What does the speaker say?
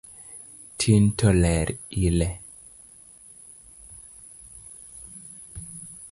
Tin to ler ile